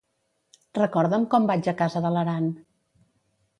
Recorda'm com vaig a casa de l'Aran.